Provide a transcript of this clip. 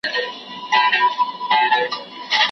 ما مي پر شونډو دي په ورځ کي سل توبې وژلي